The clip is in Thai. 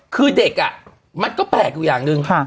คือเด็กมันก็แปลกอยู่อย่างหนึ่ง